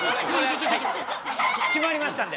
決まりましたんで。